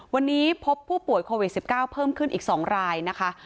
วันนี้พบผู้ป่วยโควิด๑๙เพิ่มขึ้นอีก๒รายนะคะ